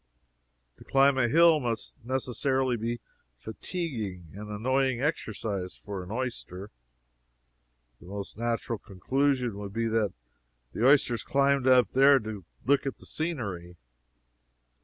To climb a hill must necessarily be fatiguing and annoying exercise for an oyster. The most natural conclusion would be that the oysters climbed up there to look at the scenery.